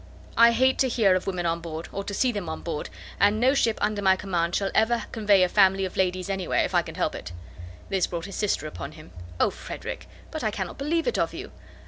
I hate to hear of women on board, or to see them on board; and no ship under my command shall ever convey a family of ladies anywhere, if I can help it." This brought his sister upon him. "Oh! Frederick! But I cannot believe it of you.